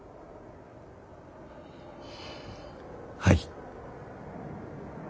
はい。